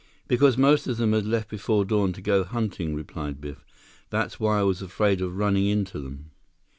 "Because most of them had left before dawn to go hunting," replied Biff. "That's why I was afraid of running into them."